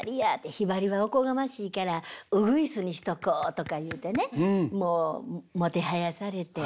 「ひばりはおこがましいからウグイスにしとこう」とか言うてねもうもてはやされて。